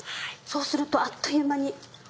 そうするとあっという間に。